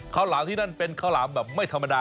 หลามที่นั่นเป็นข้าวหลามแบบไม่ธรรมดา